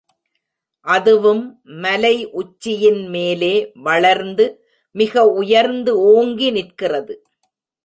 அதுவும் மலை உச்சியின் மேலே வளர்ந்து மிக உயர்ந்து ஓங்கி நிற்கிறது.